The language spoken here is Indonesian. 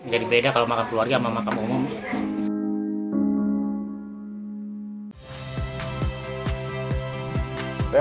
jadi beda kalau makan keluarga mama kamu mau